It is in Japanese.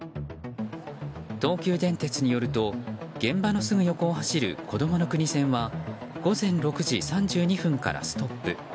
東急電鉄によると現場のすぐ横を走るこどもの国線は午前６時３２分からストップ。